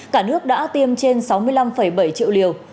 cả nước đã tiêm trên sáu mươi năm bảy triệu liều